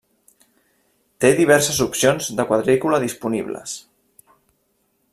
Té diverses opcions de quadrícula disponibles.